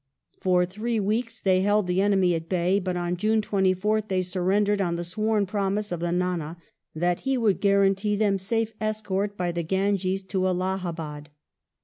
For three weeks they held the enemy at bay, but on June 24th they surrendered on the sworn promise of the Ndna that he would guarantee them safe escort by the Ganges to Allahd, bad.